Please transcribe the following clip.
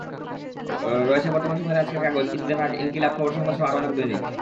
রয়েছে বর্তমান সময়ের আজকের কাগজ, ইত্তেফাক, ইনকিলাব, খবর, সংবাদসহ আরও অনেক দৈনিক।